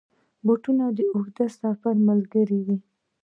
بوټونه د اوږدو سفرونو ملګري وي.